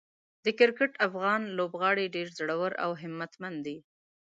د کرکټ افغان لوبغاړي ډېر زړور او همتمن دي.